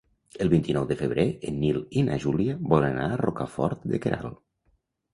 El vint-i-nou de febrer en Nil i na Júlia volen anar a Rocafort de Queralt.